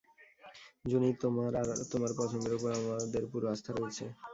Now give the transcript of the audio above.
জুনি, তোমার আর তোমার পছন্দের উপর আমাদের পুরো আস্থা রয়েছে।